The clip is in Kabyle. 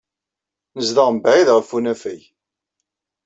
Nezdeɣ mebɛid ɣef unafag.